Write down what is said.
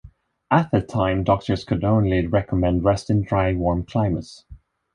At the time, doctors could only recommend rest in dry, warm climates.